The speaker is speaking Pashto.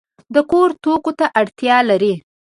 د کور توکو ته اړتیا لرئ؟